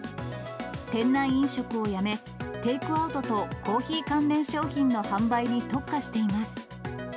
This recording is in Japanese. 店内飲食をやめ、テイクアウトとコーヒー関連商品の販売に特化しています。